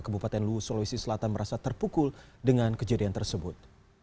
kebupaten luwu sulawesi selatan merasa terpukul dengan kejadian tersebut